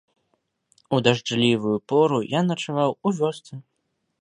У дажджлівую пору я начаваў у вёсцы.